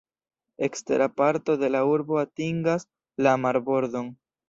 Ekstera parto de la urbo atingas la marbordon.